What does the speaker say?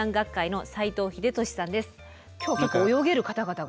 今日結構泳げる方々が。